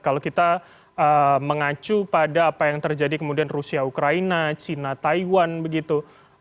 kalau kita mengacu pada apa yang terjadi kemudian rusia ukraina china taiwan begitu